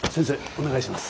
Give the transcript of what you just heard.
お願いします。